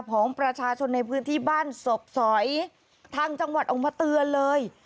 ของประชาชนในพื้นที่บ้านศพสอยทางจังหวัดออกมาเตือนเลย